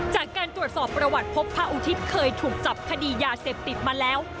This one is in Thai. จากการตรวจสอบประวัติพบพระอุทิศเคยถูกจับคดียาเสพติดมาแล้ว